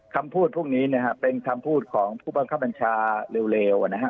คำพูดพวกนี้นะฮะเป็นคำพูดของผู้บังคับบัญชาเร็วนะฮะ